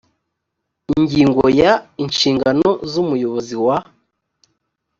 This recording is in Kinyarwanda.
ingingo ya inshingano z umuyobozi wa